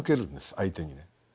相手にね。